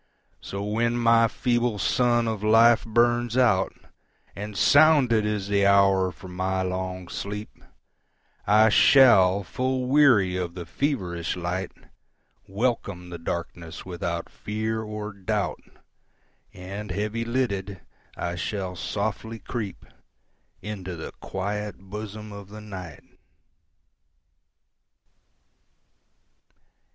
So when my feeble sun of life burns out, And sounded is the hour for my long sleep,I shall, full weary of the feverish light, Welcome the darkness without fear or doubt, And heavy lidded, I shall softly creepInto the quiet bosom of the Night.